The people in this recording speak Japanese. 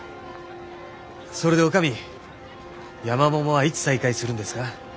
それで女将山桃はいつ再開するんですか？